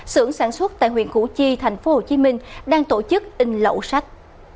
xưởng sản xuất tại huyện củ chi thành phố hồ chí minh đang tổ chức in lậu sách